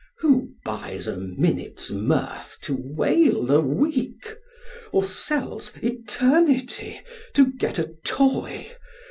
Who buys a minute's mirth to wail a week? Or sells eternity to 'get a toy?